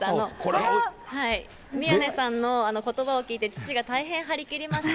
宮根さんのことばを聞いて、父が大変張り切りまして。